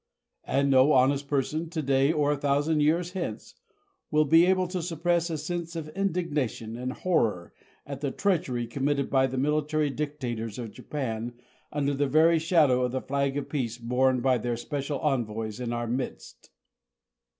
And no honest person, today or a thousand years hence, will be able to suppress a sense of indignation and horror at the treachery committed by the military dictators of Japan, under the very shadow of the flag of peace borne by their special envoys in our midst.